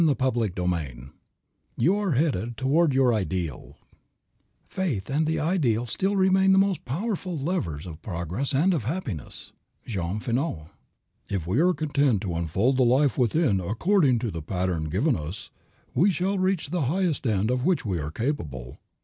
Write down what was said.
CHAPTER XII YOU ARE HEADED TOWARD YOUR IDEAL Faith and the ideal still remain the most powerful levers of progress and of happiness. JEAN FINOT. If we are content to unfold the life within according to the pattern given us, we shall reach the highest end of which we are capable.